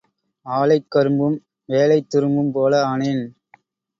ஆலைக் கரும்பும் வேலைத் துரும்பும் போல ஆனேன்.